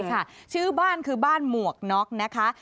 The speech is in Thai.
ค่ะชื่อบ้านคือบ้านหมวกน็อกนะคะ